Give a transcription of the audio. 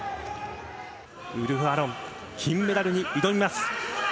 ウルフ・アロン、金メダルに挑みます。